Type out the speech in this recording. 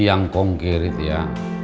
yang konkret ya